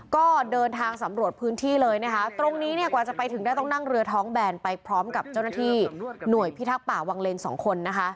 ก็เดินทางสำรวจพื้นที่เลยนะคะตรงนี้เนี่ยกว่าจะไปถึงได้ต้องนั่งเรือท้องแบนไปพร้อมกับเจ้าหน้าที่หน่วยพิทักษ์ป่าวังเลนสองคนนะคะ